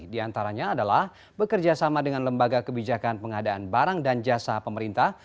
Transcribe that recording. di antaranya adalah bekerjasama dengan lembaga kebijakan pengadaan barang dan jasa pemerintah